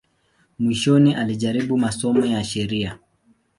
Mwishoni alijaribu masomo ya sheria.